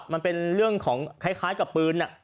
มันเป็นเรื่องของคล้ายกับปืน